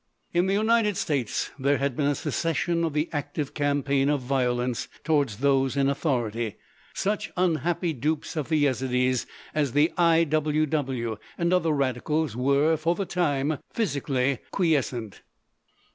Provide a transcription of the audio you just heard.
In the United States there had been a cessation of the active campaign of violence toward those in authority. Such unhappy dupes of the Yezidees as the I. W. W. and other radicals were, for the time, physically quiescent.